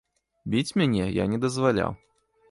Біць мяне я не дазваляў.